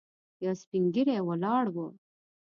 یو سپين ږيری ولاړ و.